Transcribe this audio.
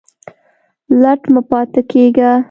لټ مه پاته کیږئ